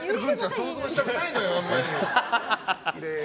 想像したくないのよ、あんまり。